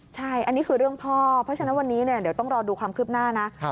ใช่อันนี้คือเรื่องพ่อเพราะฉะนั้นวันนี้เดี๋ยวต้องรอดูความคืบหน้านะ